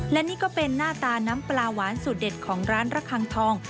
และนี่ก็เป็นหน้าตาน้ำปลาหวานสูตรเด็ดของร้านระคังทอง